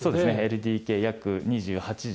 ＬＤＫ、約２８畳。